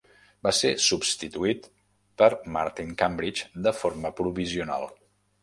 Va ser substituït per Martin Cambridge de forma provisional.